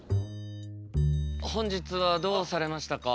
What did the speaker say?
本日はどうされましたか？